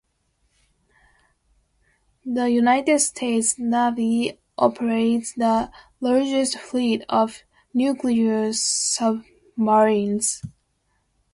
The United States Navy operates the largest fleet of nuclear submarines.